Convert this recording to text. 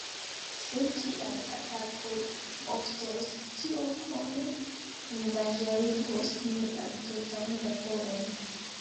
Se tiaj atakoj oftos, tio krome endanĝerigos nian tutan laboron.